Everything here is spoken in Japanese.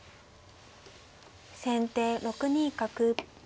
先手６二角。